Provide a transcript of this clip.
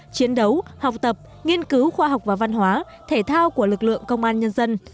chiến đấu học tập nghiên cứu khoa học và văn hóa thể thao của lực lượng công an nhân dân